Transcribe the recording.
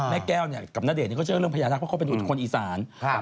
แม่แก้วเนี่ยกับณเดชนเขาเชื่อเรื่องพญานาคเพราะเขาเป็นคนอีสาน